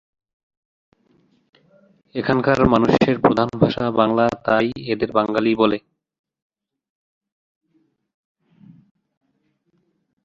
এখানকার মানুষের প্রধান ভাষা বাংলা তাই এদের বাঙালি বলে।